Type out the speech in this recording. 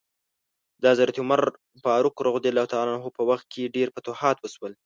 د حضرت عمر فاروق په وخت کې ډیر فتوحات وشول.